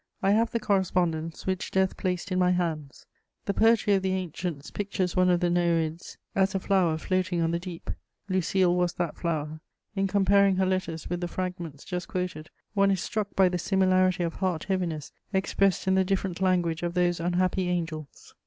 I have the correspondence, which death placed in my hands. The poetry of the ancients pictures one of the Nereids as a flower floating on the deep; Lucile was that flower. In comparing her letters with the fragments just quoted, one is struck by the similarity of heart heaviness expressed in the different language of those unhappy angels.